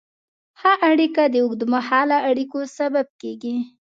ښه اړیکه د اوږدمهاله اړیکو سبب کېږي.